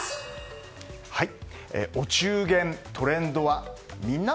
お中元、トレンドはみんな？